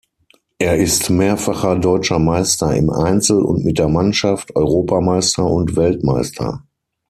Er ist mehrfacher deutscher Meister im Einzel und mit der Mannschaft, Europameister und Weltmeister.